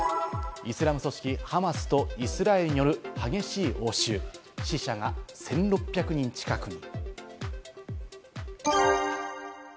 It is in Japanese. イスラム組織ハマスとイスラエルによる激しい応酬、死者が１６００人近くに。